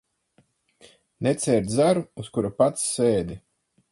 Necērt zaru, uz kura pats sēdi.